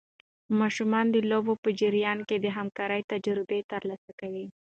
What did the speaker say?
ماشومان د لوبو په جریان کې د همکارۍ تجربه ترلاسه کوي.